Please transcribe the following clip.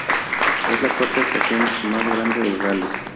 Es la cuarta estación más grande de Gales.